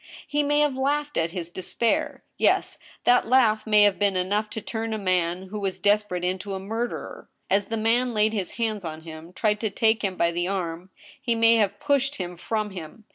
He may have laughed at his despair. Ye&~that laugh may have been enough to turn a man who was desperate into a murderer. As the man laid his hands on him, tried to take him by the arm, he may have pushed him from him.